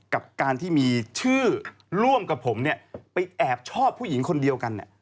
กับการที่มีชื่อร่วมกับผมเนี่ยไปแอบชอบผู้หญิงคนเดียวกัน